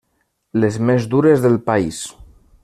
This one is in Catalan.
Les més dures del país.